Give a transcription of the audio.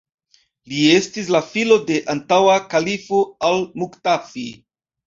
Li estis la filo de antaŭa kalifo al-Muktafi.